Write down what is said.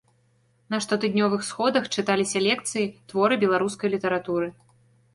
На штотыднёвых сходах чыталіся лекцыі, творы беларускай літаратуры.